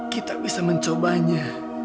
kita bisa mencobanya